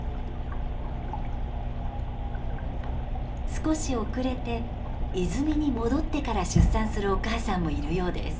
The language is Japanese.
少し遅れて泉に戻ってから出産するお母さんもいるようです。